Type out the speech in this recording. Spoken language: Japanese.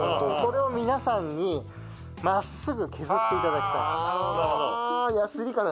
これを皆さんに真っすぐ削って頂きたい。